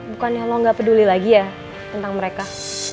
bukannya lo gak peduli lagi ya tentang mereka